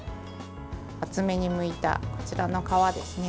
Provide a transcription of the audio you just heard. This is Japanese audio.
厚めにむいたこちらの皮ですね。